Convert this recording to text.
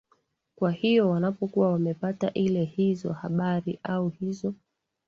kwa hiyo wanapokuwa wamepata ile hizo habari au hizo